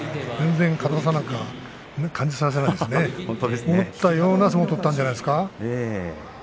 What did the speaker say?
全然硬さを感じませんし思ったような相撲を取ったんじゃないですか。